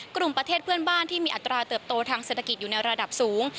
กลุ่มประเทศเพื่อนบ้านที่มีอัตราเติบโตทางเศรษฐกิจอยู่ในระดับสูง